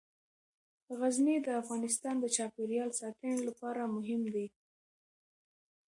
غزني د افغانستان د چاپیریال ساتنې لپاره مهم دي.